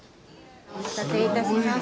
お待たせいたしました。